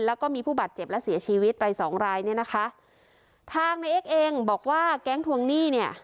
แล้วก็มีผู้บาดเจ็บและเสียชีวิตไปสองรายเนี่ยนะคะทางในเอ็กซเองบอกว่าแก๊งทวงหนี้เนี่ย